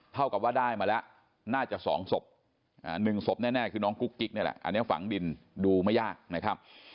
เท่ากับว่าได้มาแล้วน่าจะ๒ศพ๑ศพแน่คือน้องกุ๊กกิ๊กนี่แหละอันนี้ฝังดินดูไม่ยากนะครับ